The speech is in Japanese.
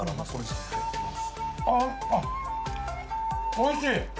おいしい。